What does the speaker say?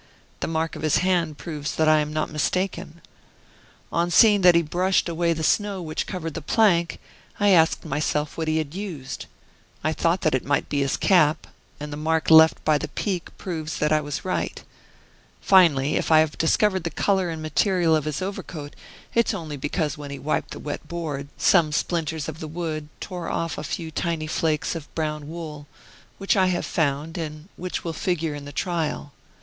The mark of his hand proves that I am not mistaken. On seeing that he had brushed away the snow which covered the plank, I asked myself what he had used; I thought that it might be his cap, and the mark left by the peak proves that I was right. Finally, if I have discovered the color and the material of his overcoat, it is only because when he wiped the wet board, some splinters of the wood tore off a few tiny flakes of brown wool, which I have found, and which will figure in the trial.